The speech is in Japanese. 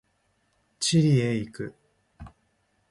チリへ行く。